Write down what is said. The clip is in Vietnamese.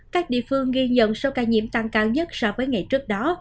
các địa phương ghi nhận số ca nhiễm tăng cao nhất so với ngày trước đó